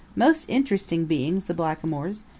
Most interesting beings, the blackamoors!